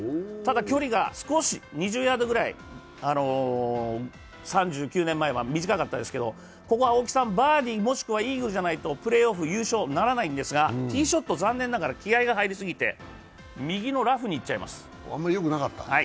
ただ距離が２０ヤードぐらい３９年前は短かったですけど、ここは青木さん、バーディーもしくはイーグルじゃないとプレーオフ進出にならないんですが、ティーショット残念ながら、気合いが入りすぎて、